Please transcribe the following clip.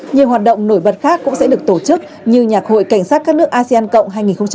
nhiều hoạt động nổi bật khác cũng sẽ được tổ chức như nhạc hội cảnh sát các nước asean cộng hai nghìn hai mươi